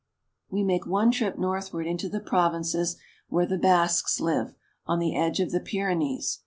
We make one trip northward into the provinces where the Basques live, on the edge of the Pyrenees.